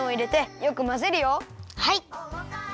はい！